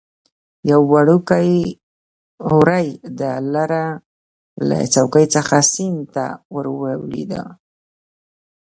یو وړکی وری د لره له څوکې څخه سیند ته ور ولوېده.